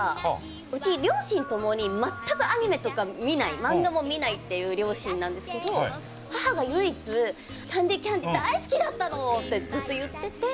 うち、両親ともに全くアニメとか見ない漫画も見ないっていう両親なんですけど、母が唯一『キャンディ・キャンディ』大好きだったのってずっと言ってて。